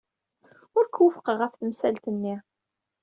Ur k-wufqeɣ ɣef temsalt-nni.